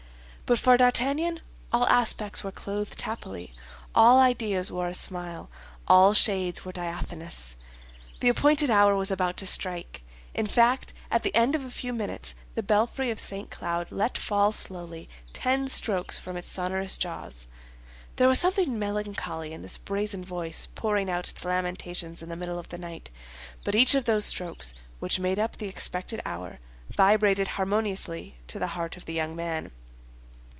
But for D'Artagnan all aspects were clothed happily, all ideas wore a smile, all shades were diaphanous. The appointed hour was about to strike. In fact, at the end of a few minutes the belfry of St. Cloud let fall slowly ten strokes from its sonorous jaws. There was something melancholy in this brazen voice pouring out its lamentations in the middle of the night; but each of those strokes, which made up the expected hour, vibrated harmoniously to the heart of the young man.